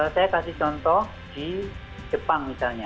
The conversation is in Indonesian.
saya kasih contoh di jepang misalnya